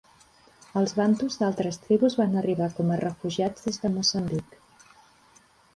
Els bantus d'altres tribus van arribar com a refugiats des de Moçambic.